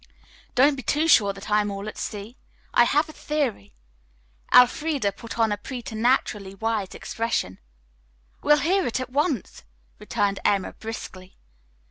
"Don't be too sure that I'm all at sea. I have a theory." Elfreda put on a preternaturally wise expression. "We'll hear it at once," returned Emma briskly.